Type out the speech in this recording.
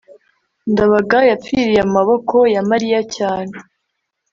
ndabaga yapfiriye mu maboko ya mariya cyane